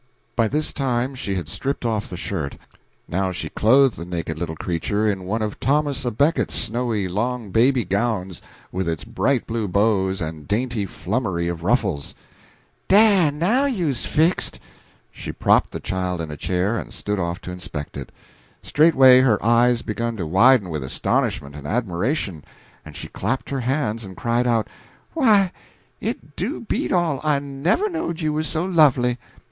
'" By this time she had stripped off the shirt. Now she clothed the naked little creature in one of Thomas à Becket's snowy long baby gowns, with its bright blue bows and dainty flummery of ruffles. "Dah now you's fixed." She propped the child in a chair and stood off to inspect it. Straightway her eyes began to widen with astonishment and admiration, and she clapped her hands and cried out, "Why, it do beat all! I never knowed you was so lovely.